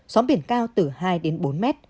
sống biển cao từ hai bốn m